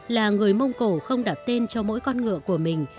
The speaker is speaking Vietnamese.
là người mông cổ không đặt tên cho mỗi con ngựa của mình